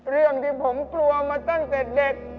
เรื่องที่ผมกลัวมาตั้งแต่เด็ก